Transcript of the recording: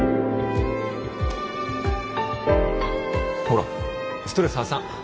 ほらストレス発散